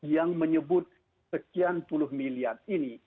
yang menyebut sekian puluh miliar ini